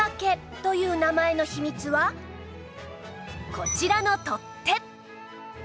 こちらの取っ手